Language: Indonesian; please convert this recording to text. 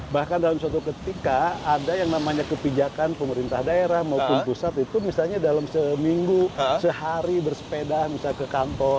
bahkan dalam suatu ketika ada yang namanya kebijakan pemerintah daerah maupun pusat itu misalnya dalam seminggu sehari bersepeda misalnya ke kantor